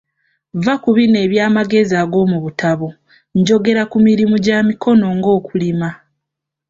Vva ku bino eby'amagezi ag'omubitabo, njogera ku mirimu gya mikono nga okulima.